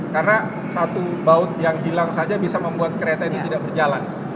karena satu baut yang hilang saja bisa membuat kereta itu tidak berjalan